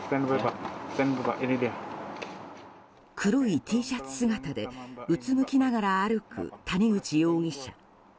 黒いＴシャツ姿でうつむきながら歩く谷口容疑者。